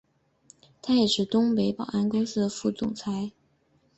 他也是东北保安公司的副总裁。